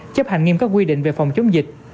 chấp hành nghiêm các quy định về phòng chống dịch